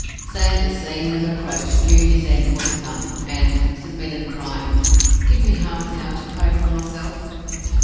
Sanders, seeing them approach, knew his end was come, and submitted, crying, "Give me half an hour to pray for myself."